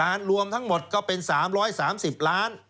รวมทั้งหมดก็เป็น๓๓๐ล้าน